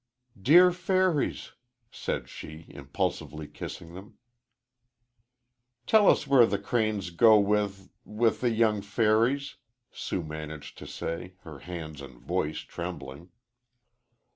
"Dear fairies!" said she, impulsively kissing them. "Tell us where the cranes go with with the young fairies," Sue managed to say, her hands and voice trembling.